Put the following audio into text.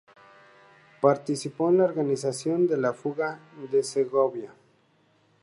Participó en la organización de la fuga de Segovia.